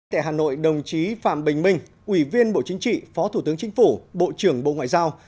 tại hà nội đồng chí phạm bình minh ủy viên bộ chính trị phó thủ tướng chính phủ bộ trưởng bộ ngoại giao